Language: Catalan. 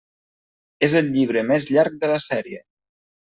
És el llibre més llarg de la sèrie.